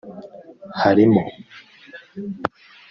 harimo